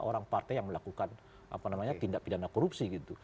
orang partai yang melakukan tindak pidana korupsi gitu